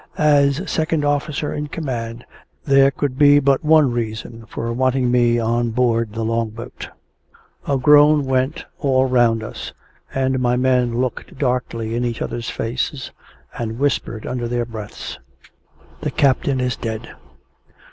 As second officer in command, there could be but one reason for wanting me on board the Long boat. A groan went all round us, and my men looked darkly in each other's faces, and whispered under their breaths: "The captain is dead!"